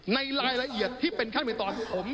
ในรายละเอียดที่เป็นขั้นในตอนผม